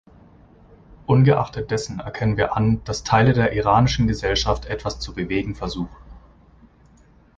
Ungeachtet dessen erkennen wir an, dass Teile der iranischen Gesellschaft etwas zu bewegen versuchen.